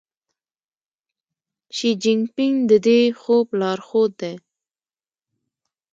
شي جین پینګ د دې خوب لارښود دی.